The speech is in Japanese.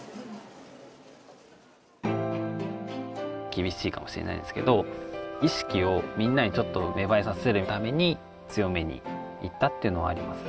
厳しいかもしれないですけど意識をみんなにちょっと芽生えさせるために強めに言ったっていうのはあります